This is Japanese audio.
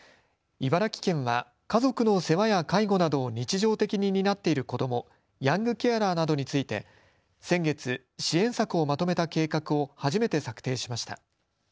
茨城県は家族の世話や介護などを日常的に担っている子どもヤングケアラーなどについて先月、支援策をまとめた計画を初めて策定しました。